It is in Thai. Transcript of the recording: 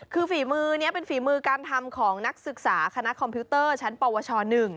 คือฝีมือนี้เป็นฝีมือการทำของนักศึกษาคณะคอมพิวเตอร์ชั้นปวช๑